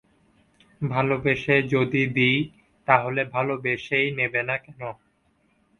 ভালোবেসে যদি দিই, তা হলে ভালোবেসেই নেবে না কেন?